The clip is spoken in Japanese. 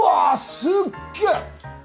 すっげえ！